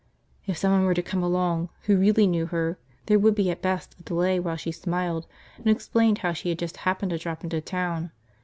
If someone were to come along who really knew her, there would be at best a delay while she smiled and explained how she had just happened to drop into town.